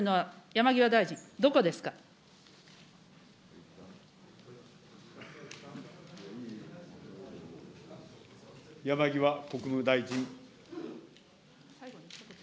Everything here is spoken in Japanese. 山際国務大臣。